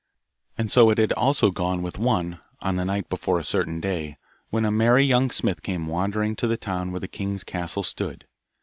And so it had also gone with one, on the night before a certain day, when a merry young smith came wandering to the town where the king's castle stood.